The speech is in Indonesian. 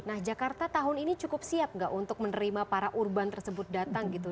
nah jakarta tahun ini cukup siap nggak untuk menerima para urban tersebut datang gitu